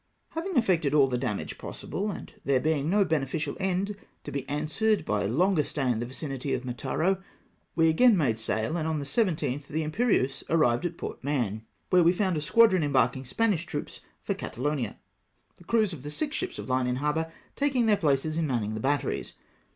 Having effected all the damage possible, and there being no beneficial end to be answered by longer stay in the vicinity of Mataro, we again made sail, and on the 17th the Imperieiise arrived at Port Mahon, where we found a squadi'on embarking Spanish troops for Catalonia, the crews of the six ships of the hue in har bour takmg their places in manning the batteries.